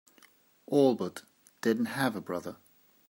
Albert didn't have a brother.